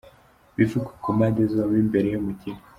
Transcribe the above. Ibivugwa ku mpande zombi mbere y’umukino .